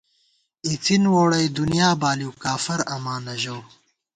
اِڅِن ووڑئی دنیا بالِیؤ، کافراماں نہ ژَؤ